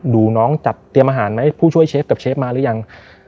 ดูน้องจัดเตรียมอาหารไหมผู้ช่วยเชฟกับเชฟมาหรือยัง